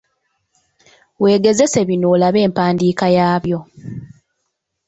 Weegezese bino olabe empandiika yaabyo.